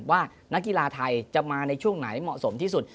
ว่านักกีฬาไทยจะมาในช่วงไหนเหมาะสมที่สุด